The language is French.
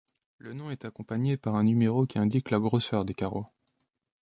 Le nom est accompagné par un numéro qui indique la grosseur des carreaux.